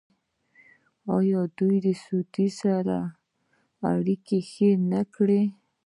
آیا دوی له سعودي سره اړیکې ښې نه کړې؟